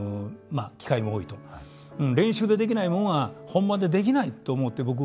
練習でできない者は本番でできないと思って僕。